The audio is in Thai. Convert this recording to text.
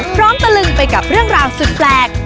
ตะลึงไปกับเรื่องราวสุดแปลก